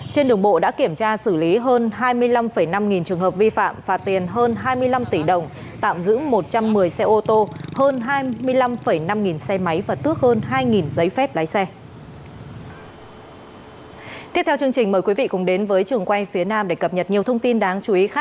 trên đường bộ đã kiểm tra xử lý hơn hai mươi năm năm nghìn trường hợp vi phạm phạt tiền hơn hai mươi năm tỷ đồng tạm giữ một trăm một mươi xe ô tô hơn hai mươi năm năm nghìn xe máy và tước hơn hai giấy phép lái xe